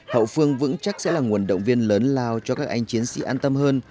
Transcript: hậu phương vững chắc sẽ là nguồn động viên lớn lao cho các anh chiến sĩ an tâm hơn